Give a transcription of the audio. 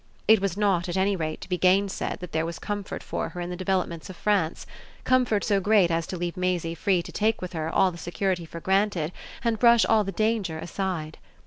It was not at any rate to be gainsaid that there was comfort for her in the developments of France; comfort so great as to leave Maisie free to take with her all the security for granted and brush all the danger aside.